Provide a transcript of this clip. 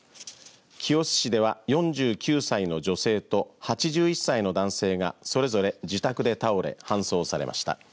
清須市では４９歳の女性と８１歳の男性がそれぞれ自宅で倒れ搬送されました。